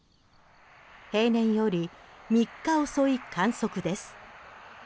平年より３日遅い観測です。